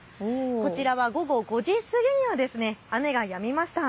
こちらは午後５時過ぎには雨がやみました。